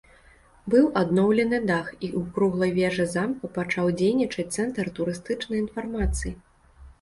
Быў адноўлены дах і ў круглай вежы замка пачаў дзейнічаць цэнтр турыстычнай інфармацыі.